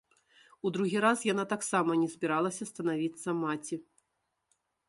У другі раз яна таксама не збіралася станавіцца маці.